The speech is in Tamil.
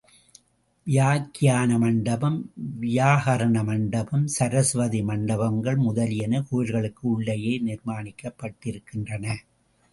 வியாக்யான மண்டபம், வியாகர்ண மண்டபம், சரஸ்வதி மண்டபங்கள் முதலியன கோயில்களுக்கு உள்ளேயே நிர்மாணிக்கப் பட்டிருக்கின்றன.